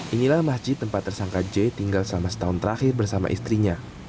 inilah masjid tempat tersangka j tinggal selama setahun terakhir bersama istrinya